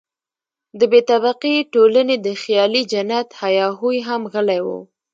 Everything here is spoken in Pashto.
د بې طبقې ټولنې د خیالي جنت هیا هوی هم غلی وو.